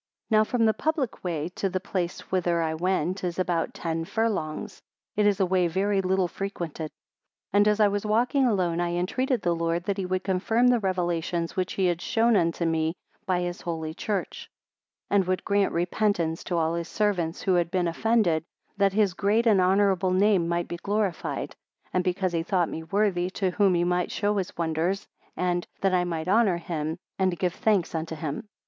2 Now from the public way to the place whither I went is about ten furlongs; it is a way very little frequented: 3 And as I was walking alone, I entreated the Lord that he would confirm the Revelations which he had shown unto me by his Holy Church. 4 And would grant repentance to all his servants who had been offended, that his great and honourable name might be glorified, and because he thought me worthy to whom he might show his wonders, and, that I might honour him, and give thanks unto him.